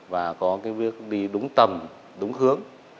và có bước đi đúng tầm đúng hướng